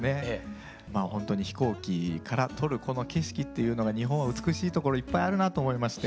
ほんとに飛行機から撮るこの景色っていうのが日本は美しいところいっぱいあるなと思いまして。